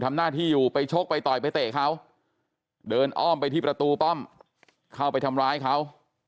ทำหน้าที่อยู่ไปชกไปต่อยไปเตะเขาเดินอ้อมไปที่ประตูป้อมเข้าไปทำร้ายเขา